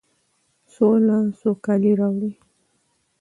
سوله سوکالي راوړي.